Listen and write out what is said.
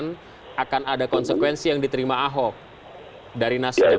kalau tidak tersangka itu ditetapkan akan ada konsekuensi yang diterima ahok dari nasdem